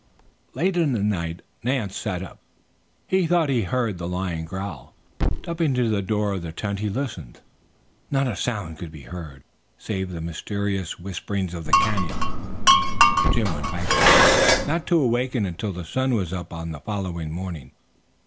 Late in the night Nance sat up. He thought he had heard the lion growl. Stepping to the door of the tent he listened. Not a sound could be heard save the mysterious whisperings of the Canyon. Jim went back to bed, not to awaken until the sun was up on the following morning.